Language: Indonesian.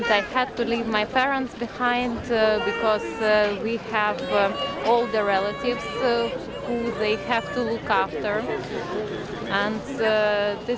dan saya harus meninggalkan ibu bapa saya karena kita memiliki semua anak anak yang mereka harus mencari